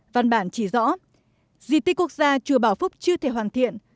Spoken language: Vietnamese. văn bản chỉ rõ di tích quốc gia chùa bảo phúc chưa thể hoàn thiện